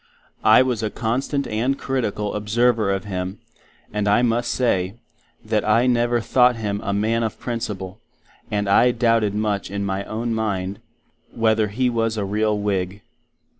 I was a constant and critical observer of him, and I must say, that I never thought Him a man of Principle; and I doubted much in my own mind, wether He was a real Whig.